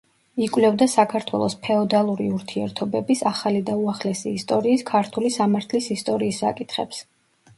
იკვლევდა საქართველოს ფეოდალური ურთიერთობების, ახალი და უახლესი ისტორიის, ქართული სამართლის ისტორიის საკითხებს.